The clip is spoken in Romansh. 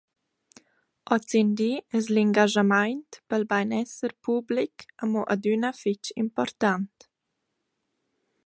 Hozindi es l’ingaschamaint pel bainesser public amo adüna fich important.